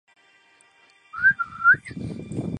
位于阿夸伊博姆州。